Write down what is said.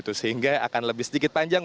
terima kasih pak